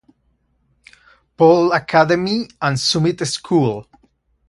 Paul Academy and Summit School".